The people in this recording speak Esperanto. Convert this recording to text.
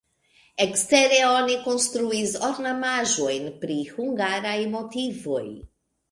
Ekstere oni konstruis ornamaĵojn pri hungaraj motivoj.